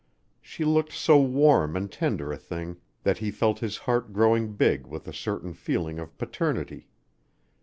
She looked so warm and tender a thing that he felt his heart growing big with a certain feeling of paternity.